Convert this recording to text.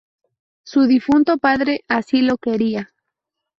Su difunto padre así lo quería.